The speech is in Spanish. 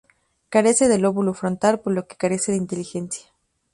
Carece de lóbulo frontal, por lo que carece de inteligencia.